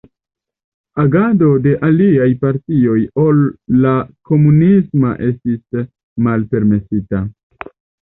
Agado de aliaj partioj ol la komunisma estis malpermesita.